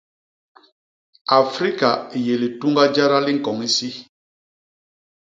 Afrika i yé lituñga jada li ñkoñ isi.